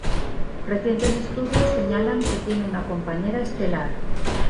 Recientes estudios señalan que tiene una compañera estelar.